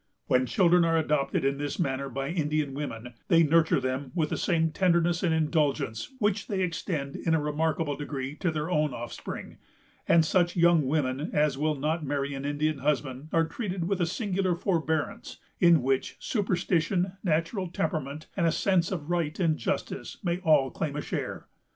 When children are adopted in this manner by Indian women, they nurture them with the same tenderness and indulgence which they extend, in a remarkable degree, to their own offspring; and such young women as will not marry an Indian husband are treated with a singular forbearance, in which superstition, natural temperament, and a sense of right and justice may all claim a share.